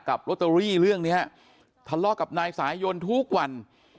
กับรอเตอรี่เรื่องนี้ฮะทะเลาะกับนายสายยนต์ทุกวัน